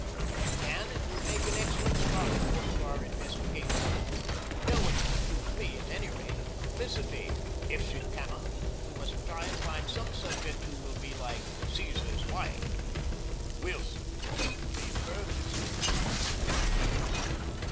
If she can, it will make an excellent starting point for our investigation. No one can accuse me, at any rate, of complicity. If she cannot, we must try and find some subject who will be like Caesar's wife. Wilson is perfectly impervious.